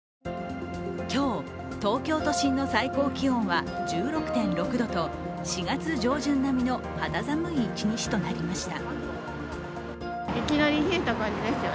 今日、東京都心の最高気温は１６．６度と４月上旬並みの肌寒い一日となりました。